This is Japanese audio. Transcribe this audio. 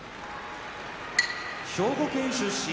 兵庫県出身